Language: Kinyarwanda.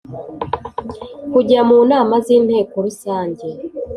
kujya mu nama z Inteko Rusange